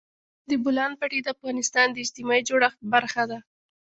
د بولان پټي د افغانستان د اجتماعي جوړښت برخه ده.